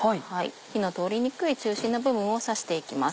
火の通りにくい中心の部分を刺していきます。